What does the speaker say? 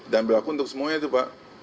dan berlaku untuk semuanya itu pak